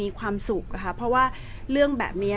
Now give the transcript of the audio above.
แต่ว่าสามีด้วยคือเราอยู่บ้านเดิมแต่ว่าสามีด้วยคือเราอยู่บ้านเดิม